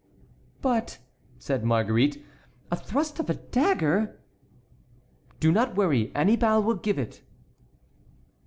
"But," said Marguerite, "a thrust of a dagger"— "Do not worry; Annibal will give it."